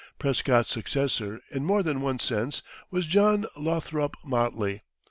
Prescott's successor, in more than one sense, was John Lothrop Motley.